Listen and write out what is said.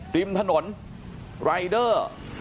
ริมถนนรายเดอร์